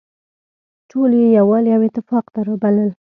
ټول يې يووالي او اتفاق ته رابلل.